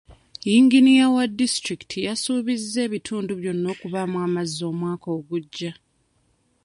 Yinginiya wa disitulikiti yasuubiza ebitundu byonna okubaamu amazzi omwaka ogujja.